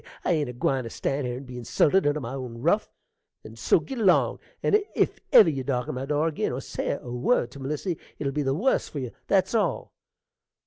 I ain't a gwine to stan' here and be insulted under my own ruff; and so git along; and if ever you darken my door ag'in, or say a word to Melissy, it'll be the wuss for you, that's all.